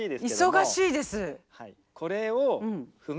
忙しいです。